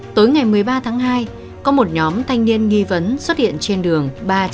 tối ngày một mươi ba tháng hai có một nhóm thanh niên nghi vấn xuất hiện trên đường